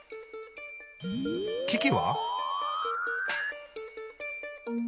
キキは？